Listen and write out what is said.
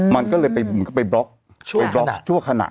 มันก็เลยไปบล็อกชั่วขณะ